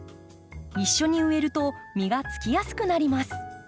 一緒に植えると実がつきやすくなります。